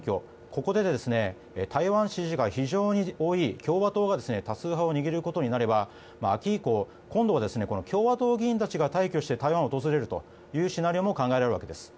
ここで台湾支持が非常に多い共和党が多数派を握ることになれば秋以降、今度は共和党議員たちが大挙して台湾を訪れるというシナリオも考えられます。